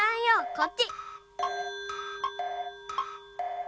こっち！